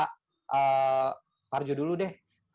pak arjo dulu deh